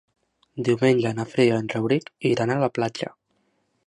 Diumenge na Frida i en Rauric iran a la platja.